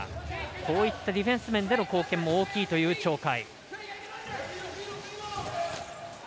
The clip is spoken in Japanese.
こういったディフェンス面での貢献も大きい鳥海。